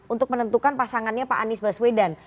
untuk menentukan pasangannya pak anies baswedan